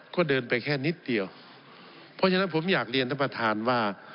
ก็เดินไปแค่นิดเดียวเพราะฉะนั้นผมอยากเรียนท่านประธานว่า